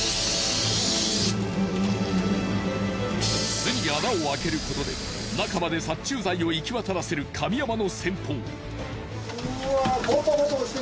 巣に穴を空けることで中まで殺虫剤を行き渡らせる神山の戦法。